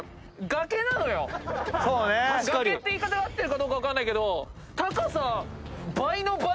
崖って言い方合ってるかどうか分かんないけど。